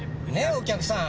お客さん。